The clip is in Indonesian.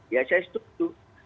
ya saya setuju